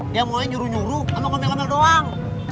dia ngomongnya nyuruh nyuruh kamu ngomel ngomel doang